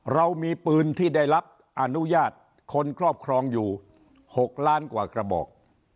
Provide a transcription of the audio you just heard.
เรามีปืนที่ได้รับอนุญาตคนครอบครองอยู่๖ล้านกว่ากระบอก